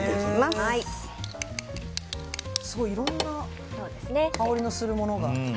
すごいいろんな香りのするものが。